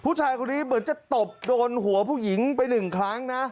ผู้ชายคนนี้เหมือนจะตบโดนหัวผู้หญิงไปหนึ่งครั้งนะ